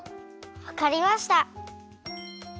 わかりました！